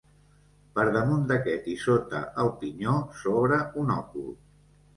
Per damunt d'aquest i sota el pinyó s'obre un òcul.